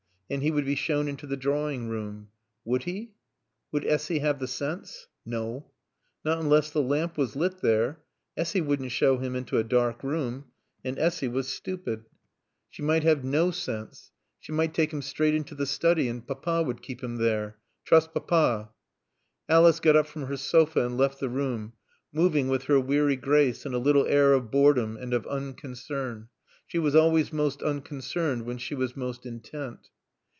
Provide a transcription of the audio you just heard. And he would be shown into the drawing room. Would he? Would Essy have the sense? No. Not unless the lamp was lit there. Essy wouldn't show him into a dark room. And Essy was stupid. She might have no sense. She might take him straight into the study and Papa would keep him there. Trust Papa. Alice got up from her sofa and left the room; moving with her weary grace and a little air of boredom and of unconcern. She was always most unconcerned when she was most intent.